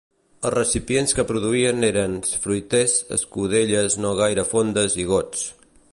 Els recipients que produïen eren: fruiters, escudelles no gaire fondes i gots.